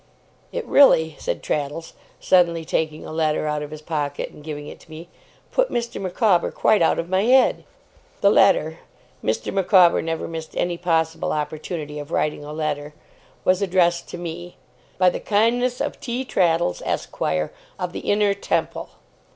'It really,' said Traddles, suddenly, taking a letter out of his pocket, and giving it to me, 'put Mr. Micawber quite out of my head!' The letter (Mr. Micawber never missed any possible opportunity of writing a letter) was addressed to me, 'By the kindness of T. Traddles, Esquire, of the Inner Temple.